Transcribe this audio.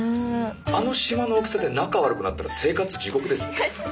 あの島の大きさで仲悪くなったら生活地獄ですよ。